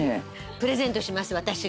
プレゼントします私が。